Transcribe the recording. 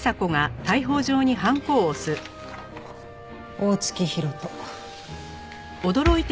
大月博人。